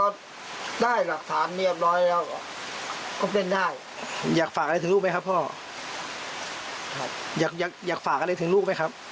อ่อนมอบแล้วคืออยากมอบ